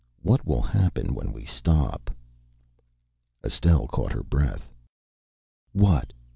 What will happen when we stop?" Estelle caught her breath. "What?"